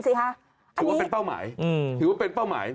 อันนี้ก็อยู่เป็นเป้าหมายถือว่าเป็นเป้าหมาย